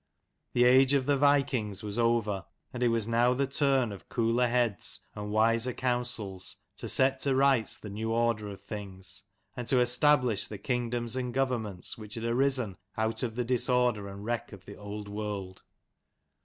The age of the vikings was over, and it was now the turn of cooler heads and wiser counsels to set to rights the new order of things, and to establish the kingdoms and governments which had arisen out of the disorder and wreck of the old world.